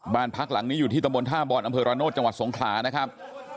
บ้านพักหลังนี้อยู่ที่ตะบนท่าบอลอำเภอระโนธจังหวัดสงขลานะครับ